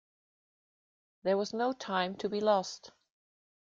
There was no time to be lost.